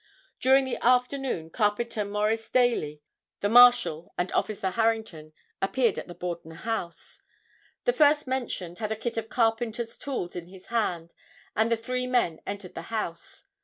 During the afternoon carpenter Maurice Daly, the Marshal and Officer Harrington appeared at the Borden house. The first mentioned had a kit of carpenter's tools in his hand and the three men entered the house.